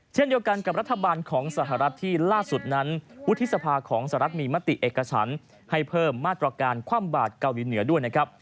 เช่นเดียวกันกับรัฐบาลของสหรัฐที่ล่าสุดนั้นวุฒิสภาของสหรัฐมีมติเอกฉันให้เพิ่มมาตรการคว่ำบาดเกาหลีเหนือด้วยนะครับ